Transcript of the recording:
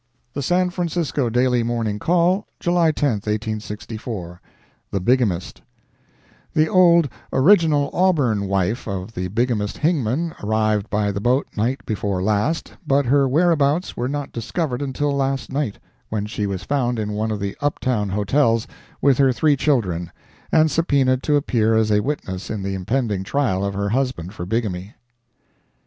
The San Francisco Daily Morning Call, July 10, 1864 THE BIGAMIST The old original Auburn wife of the bigamist Hingman, arrived by the boat night before last, but her whereabouts were not discovered until last night, when she was found in one of the up town hotels, with her three children, and subpoenaed to appear as a witness in the impending trial of her husband for bigamy.